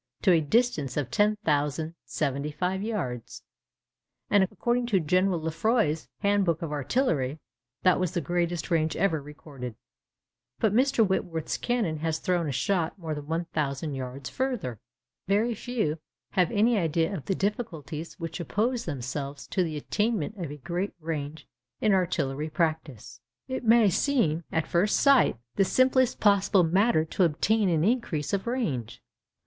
to a distance of 10,075 yards; and, according to General Lefroy's 'Handbook of Artillery,' that was the greatest range ever recorded. But Mr. Whitworth's cannon has thrown a shot more than 1,000 yards farther. Very few have any idea of the difficulties which oppose themselves to the attainment of a great range in artillery practice. It may seem, at first sight, the simplest possible matter to obtain an increase of range.